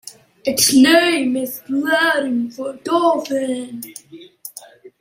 Its name is Latin for dolphin.